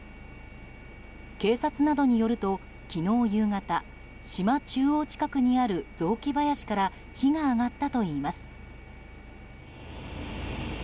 警察などによると昨日夕方島中央近くにある雑木林から火が上がったといいます。